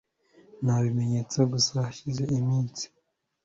Nabimenye gusa hashize iminsi